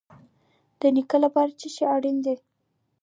د نیکۍ لپاره څه شی اړین دی؟